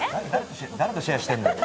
誰とシェアしてるんだよ？